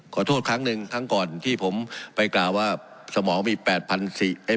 ขอโทษครั้งหนึ่งครั้งก่อนที่ผมไปกล่าวว่าสมองมีแปดพันสิไอ้